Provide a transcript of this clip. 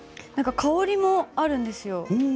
何か香りもあるんですよ。